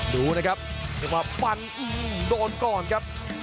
ดูนะครับจังหวะฟันโดนก่อนครับ